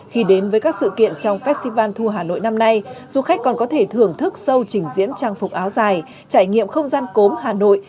khi đến với các sự kiện trong festival thu hà nội năm nay du khách còn có thể thưởng thức sâu trình diễn trang phục áo dài trải nghiệm không gian cốm hà nội